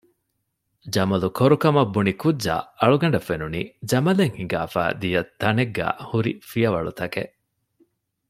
ޖަމަލު ކޮރު ކަމަށް ބުނި ކުއްޖާ އަޅުގަނޑަށް ފެނުނީ ޖަމަލެއް ހިނގާފައި ދިޔަ ތަނެއްގައި ހުރި ފިޔަވަޅުތަކެއް